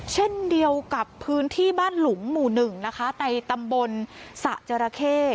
เช่นเดียวกับพื้นที่บ้านหลุมหมู่หนึ่งนะคะในตำบลสระจราเข้